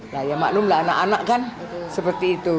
nah ya maklum lah anak anak kan seperti itu